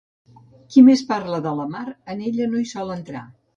Qui més parla de la mar, en ella no hi sol entrar